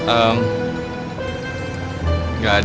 ehm gak ada